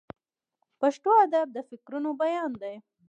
پښتو ادب د فکرونو بیان دی.